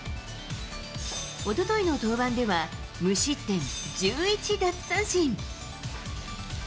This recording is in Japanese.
おとといの登板では、無失点１１奪三振。